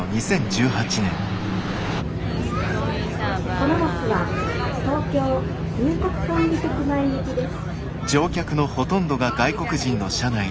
「このバスは東京入国管理局前行きです」。